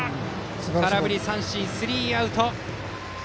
空振り三振、スリーアウト！